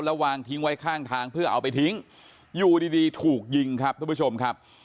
แล้ววางทิ้งไว้ข้างทางเพื่อเอาไปทิ้งอยู่ดีถูกยิงครับทุกผู้ชมครับ